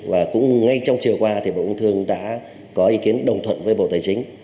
và cũng ngay trong chiều qua thì bộ công thương đã có ý kiến đồng thuận với bộ tài chính